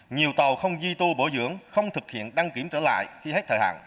nhiều tàu không duy tu bổ dưỡng không thực hiện đăng kiểm trở lại khi hết thời hạn